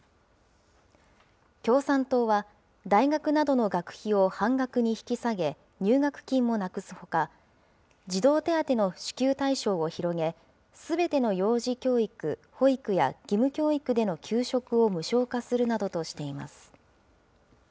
共産党は、大学などの学費を半額に引き下げ、入学金もなくすほか、児童手当の支給対象を広げ、すべての幼児教育・保育や義務教育での給食を無償化するなどとしています。